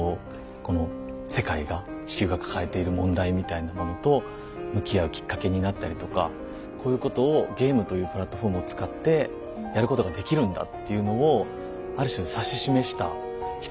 この世界が地球が抱えている問題みたいなものと向き合うきっかけになったりとかこういうことをゲームというプラットフォームを使ってやることができるんだっていうのをある種指し示した一つの作品なのかな。